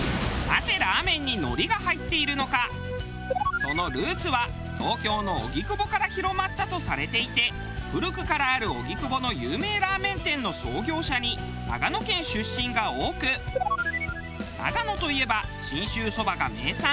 そのルーツは東京の荻窪から広まったとされていて古くからある荻窪の有名ラーメン店の創業者に長野県出身が多く長野といえば信州そばが名産。